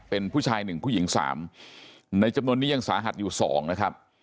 เป็นผู้ชาย๑ผู้หญิง๓ในจำนวนนี้ยังสาหัสอยู่๒นะครับ